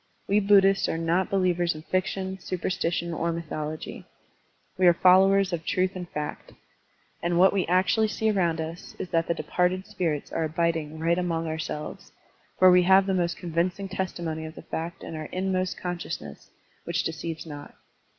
We Buddhists are not believers in fiction, supersti tion, or mythology. We are followers of truth and fact. And what we actually see around us is that the departed spirits are abiding right among ourselves, for we have the most convincing testimony of the fact in our inmost consciousness which deceives not.